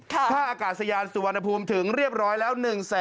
ค่าอากาศยานสุวรรณภูมิถึงเรียบร้อยแล้ว